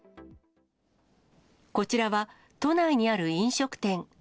こちらは、都内にある飲食店。